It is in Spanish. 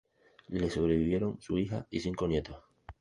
Le sobrevivieron su hija y cinco nietos.